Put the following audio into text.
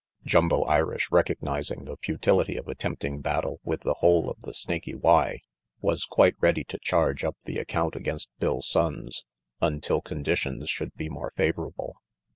Jumbo Irish, recognizing the futility of attempting battle with the whole of the Snaky Y, was quite ready to charge up the account against Bill Sonnes until conditions should be more favorable.